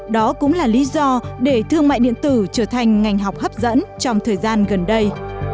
đó cũng là lý do để thương mại điện tử trở thành ngành học hấp dẫn trong thời gian gần đây